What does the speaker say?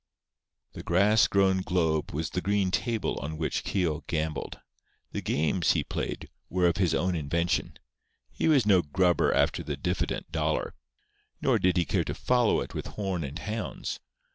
The grass grown globe was the green table on which Keogh gambled. The games he played were of his own invention. He was no grubber after the diffident dollar. Nor did he care to follow it with horn and hounds.